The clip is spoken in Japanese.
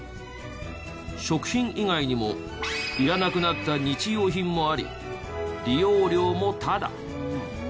食品以外にもいらなくなった日用品もあり利用料もタダ。